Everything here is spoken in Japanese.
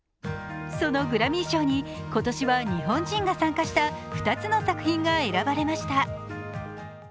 そのグラミー賞に今年は日本人が参加した２つの作品が選ばれました。